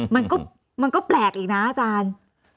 มันก็แปลกอีกนะอาจารย์